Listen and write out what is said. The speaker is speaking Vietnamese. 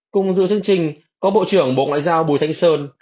cùng dự chương trình có bộ trưởng bộ ngoại giao bùi thanh sơn